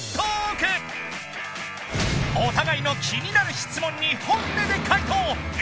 お互いの気になる質問に本音で回答ＮＧ